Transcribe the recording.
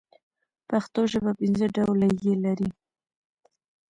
پښتو ژبه پنځه ډوله ي لري.